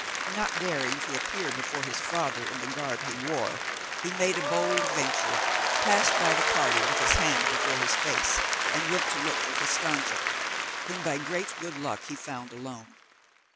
Not daring to appear before his father in the garb he wore, he made a bold venture, passed by the party with his hand before his face, and went to look for Costanza, whom, by great good luck, he found alone.